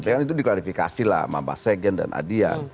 tapi kan itu diklarifikasi lah sama mbak segen dan adian